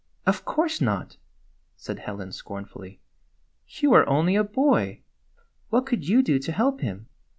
" Of course not," said Helen scornfully. " You are only a boy. What could you do to help him?